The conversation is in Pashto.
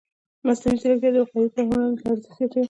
مصنوعي ځیرکتیا د وقایوي پاملرنې ارزښت زیاتوي.